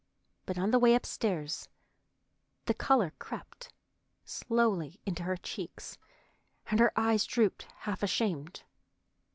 But on the way upstairs the color crept slowly into her cheeks, and her eyes drooped half ashamed.